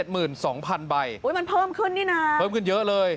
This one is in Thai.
มันเพิ่มขึ้นนี่นะเพิ่มขึ้นเยอะเลย